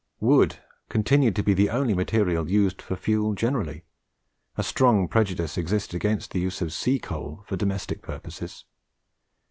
Wood continued to be the only material used for fuel generally a strong prejudice existing against the use of sea coal for domestic purposes.